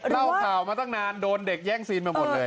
เล่าข่าวมาตั้งนานโดนเด็กแย่งซีนมาหมดเลย